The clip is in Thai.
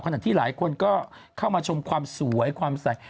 หลายคนที่หลายคนก็เข้ามาชมความสวยความใส